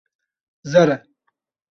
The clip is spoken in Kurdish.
Zer e.